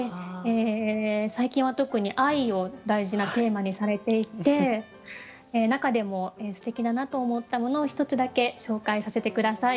最近は特に「愛」を大事なテーマにされていて中でもすてきだなと思ったものを１つだけ紹介させて下さい。